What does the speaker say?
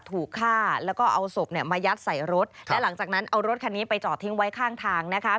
ถูกฆ่าแล้วก็เอาศพเนี่ยมายัดใส่รถและหลังจากนั้นเอารถคันนี้ไปจอดทิ้งไว้ข้างทางนะคะ